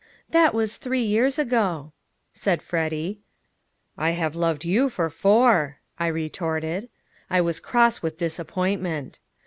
"That was three years ago," said Freddy. "I have loved you for four," I retorted. I was cross with disappointment.